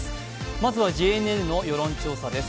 まずはＪＮＮの世論調査です。